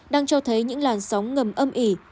đang cho thấy những làn sóng ngầm âm ỉ